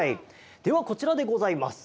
ではこちらでございます！